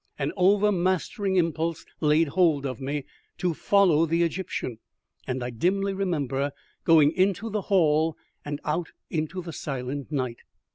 An overmastering impulse laid hold of me to follow the Egyptian, and I dimly remember going into the hall and out into the silent night.